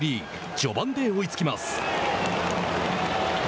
序盤で追いつきます。